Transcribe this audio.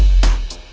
bokap gue di penjara